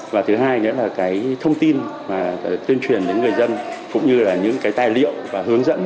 và thứ hai nữa là cái thông tin mà tuyên truyền đến người dân cũng như là những cái tài liệu và hướng dẫn